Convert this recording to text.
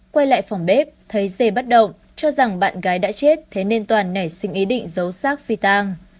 quay lại phòng bếp thấy dê bắt động cho rằng bạn gái đã chết thế nên toàn nảy sinh ý định giấu xác phi tàng